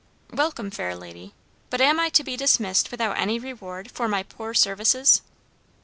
"Welcome, fair lady; but am I to be dismissed without any reward for my poor services?"